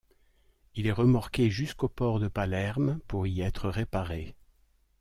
Il est remorqué jusqu'au port de Palerme pour y être réparé.